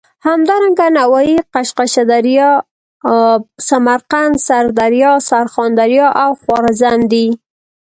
همدارنګه نوايي، قشقه دریا، سمرقند، سردریا، سرخان دریا او خوارزم دي.